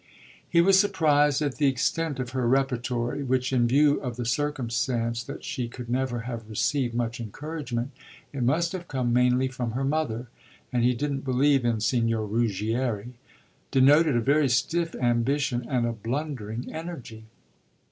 He was surprised at the extent of her repertory, which, in view of the circumstance that she could never have received much encouragement it must have come mainly from her mother, and he didn't believe in Signor Ruggieri denoted a very stiff ambition and a blundering energy.